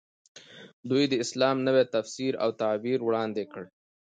دوی د اسلام نوی تفسیر او تعبیر وړاندې کړ.